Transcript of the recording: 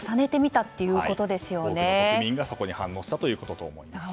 多くの国民がそこに反応したということだと思います。